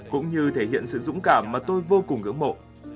cũng như thể hiện sự dũng cảm mà tôi vô cùng ngưỡng mộ